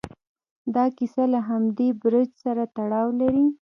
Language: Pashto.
دا کیسه له همدې برج سره تړاو لري.